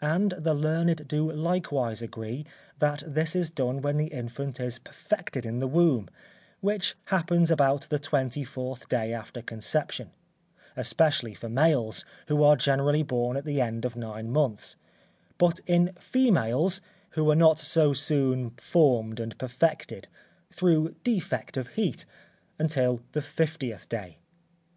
And the learned do likewise agree that this is done when the infant is perfected in the womb, which happens about the twenty fourth day after conception; especially for males, who are generally born at the end of nine months; but in females, who are not so soon formed and perfected, through defect of heat, until the fiftieth day.